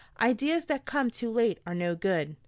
Ideas that come too late are no good.